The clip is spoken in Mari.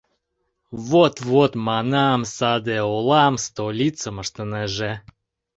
«Вот-вот, — манам, — саде олам столицым ыштынеже.